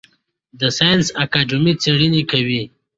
د ساینس اکاډمي څیړنې کوي